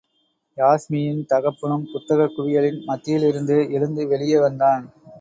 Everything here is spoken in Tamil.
யாஸ்மியின் தகப்பனும், புத்தகக் குவியலின் மத்தியிலிருந்து எழுந்து வெளியே வந்தான்.